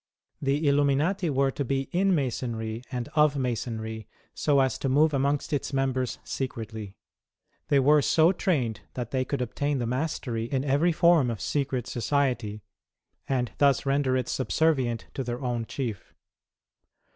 The Illuminati were to be in Masonry and of Masonry, so as to move amongst its members secretly. They were so trained that they could obtain the mastery in every form of secret society, and thus render it subservient to their own Chief.